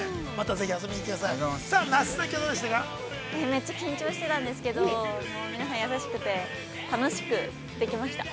◆めっちゃ緊張してたんですけれども、もう皆さん優しくて、楽しくできました。